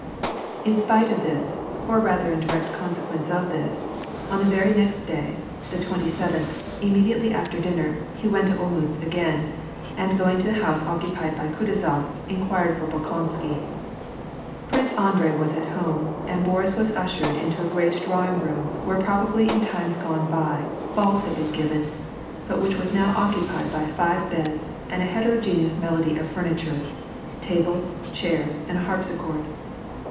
In spite of this, or rather in direct consequence of this, on the very next day, the twenty seventh, immediately after din ner, he went to Olmtltz again, and going to the house occupied by Kutuzof, inquired for Bolkonsky. Prince Andrei was at home, and Boris was ushered into a great drawing room where probably in times gone by balls had been given, but which was now occupied by five beds, and a heterogenous medley of furniture : tables, chairs, and a harpsi chord.